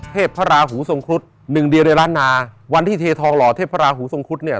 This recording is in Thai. พระราหูทรงครุฑหนึ่งเดียวในล้านนาวันที่เททองหล่อเทพพระราหูทรงครุฑเนี่ย